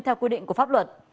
theo quy định của pháp luật